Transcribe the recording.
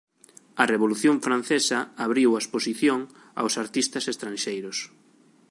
A Revolución Francesa abriu a exposición aos artistas estranxeiros.